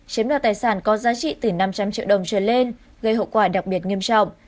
chiếm đoạt tài sản có giá trị từ năm trăm linh triệu đồng trở lên gây hậu quả đặc biệt nghiêm trọng